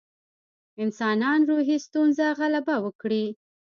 انسانان روحي ستونزو غلبه وکړي.